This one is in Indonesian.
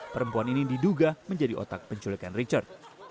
perempuan ini diduga menjadi otak penculikan richard